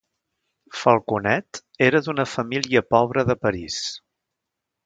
Falconet era d'una família pobra de París.